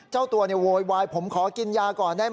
เจ้าตัวโวยวายผมขอกินยาก่อนได้ไหม